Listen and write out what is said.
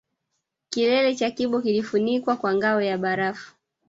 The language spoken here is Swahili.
Kilele cha Kibo kilifunikwa kwa ngao ya barafu